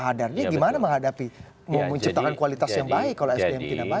pak haidarnya gimana menghadapi menciptakan kualitas yang baik kalau sdm tidak baik